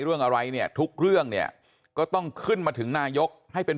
เรื่องอะไรเนี่ยทุกเรื่องเนี่ยก็ต้องขึ้นมาถึงนายกให้เป็น